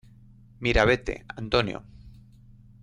Miravete, Antonio.